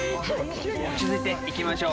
落ち着いていきましょう。